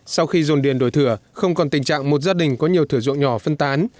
sau khi dồn điền đổi thừa không còn tình trạng một gia đình có nhiều thửa ruộng nhỏ phân tán